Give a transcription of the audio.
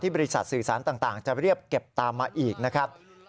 บริษัทสื่อสารต่างจะเรียบเก็บตามมาอีกนะครับ